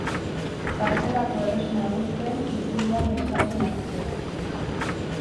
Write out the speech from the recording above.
Gaztelako Erresuman hil zen itzulia prestatzen ari zela.